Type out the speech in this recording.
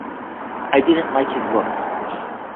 I didn't like his looks.